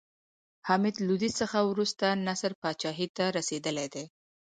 حمید لودي څخه وروسته نصر پاچاهي ته رسېدلى دﺉ.